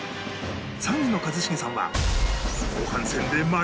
３位の一茂さんは